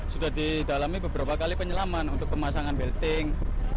sudah didalami beberapa kali penyelaman untuk pemasangan belting